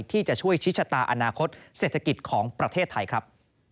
ที่จะช่วยชิดชะตาอนาคตเศรษฐกิจของประเทศไทยครับ